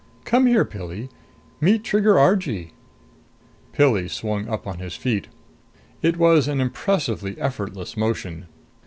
Come here, Pilli meet Trigger Argee." Pilli swung up on his feet. It was an impressively effortless motion.